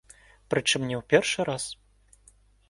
Прычым не ў першы раз.